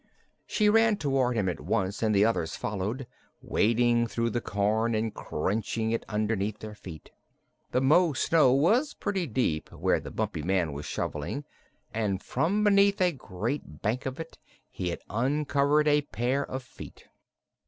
She ran toward him at once and the others followed, wading through the corn and crunching it underneath their feet. The Mo snow was pretty deep where the Bumpy Man was shoveling and from beneath a great bank of it he had uncovered a pair of feet.